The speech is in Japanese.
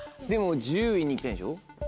でも１０位に行きたいんでしょ？